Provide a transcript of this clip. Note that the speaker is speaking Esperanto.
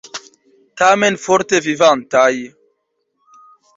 Tamen forte vivantaj!